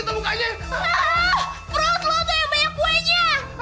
prost lo tuh yang banyak kuenya